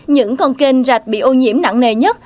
những con kênh rạch bị ô nhiễm nặng nề nhất